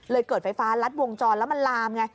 เกิดไฟฟ้ารัดวงจรแล้วมันลามไง